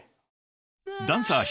［ダンサー］